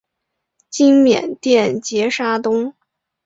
今缅甸杰沙东。